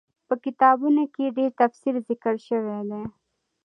په کتابونو کي ئي ډير تفصيل ذکر شوی دی